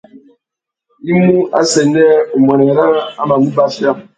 I mú assênē umbuênê râā a mà mú bachia.